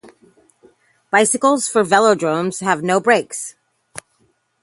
Bicycles for velodromes have no brakes.